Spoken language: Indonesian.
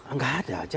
enggak ada ajakan